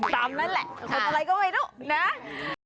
นั่นแหละคนอะไรก็ไม่รู้นะ